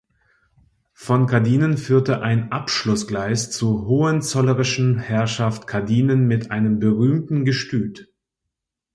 Von Cadinen führte ein Anschlussgleis zur hohenzollerischen Herrschaft Cadinen mit einem berühmten Gestüt.